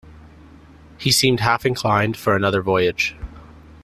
He seems half inclined for another voyage.